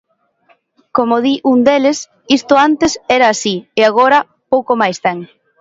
Como di un deles: isto antes era así, e agora pouco máis ten.